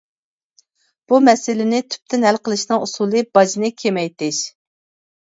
بۇ مەسىلىنى تۈپتىن ھەل قىلىشنىڭ ئۇسۇلى باجنى كېمەيتىش.